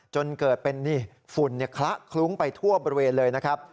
จนเกิดเป็นฝุ่นคละคลุ้งไปทั่วบริเวณเลยนะครับ